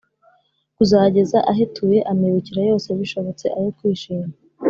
kuzageza ahetuye amibukiro yose bishobotse ayo kwishima